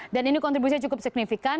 dan ini kontribusi cukup signifikan